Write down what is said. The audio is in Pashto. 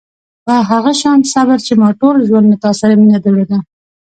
په هغه شان صبر چې ما ټول ژوند له تا سره مینه درلوده.